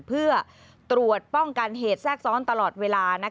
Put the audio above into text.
เพื่อตรวจป้องกันเหตุแทรกซ้อนตลอดเวลา